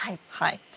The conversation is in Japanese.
はい。